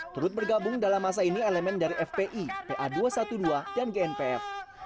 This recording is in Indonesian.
turut bergabung dalam masa ini elemen dari fpi pa dua ratus dua belas dan gnpf